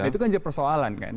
itu kan persoalan kan